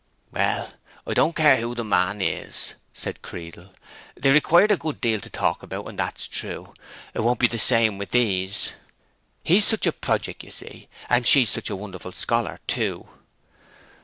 "Well, I don't care who the man is," said Creedle, "they required a good deal to talk about, and that's true. It won't be the same with these." "No. He is such a projick, you see. And she is a wonderful scholar too!"